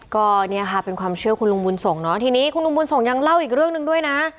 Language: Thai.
ก็เนี่ยค่ะเป็นความเชื่อคุณลุงบุญส่งเนาะทีนี้คุณลุงบุญส่งยังเล่าอีกเรื่องหนึ่งด้วยนะ